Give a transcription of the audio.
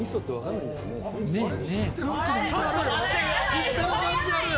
知ってる感じあるよ。